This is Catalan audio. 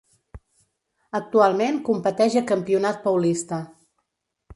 Actualment competeix a Campionat Paulista.